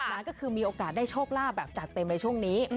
ดังนั้นคือมีโอกาสได้ชโฟค์ลาภจัดเต็มไหนช่วงนี้